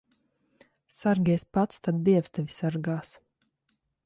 Sargies pats, tad dievs tevi sargās.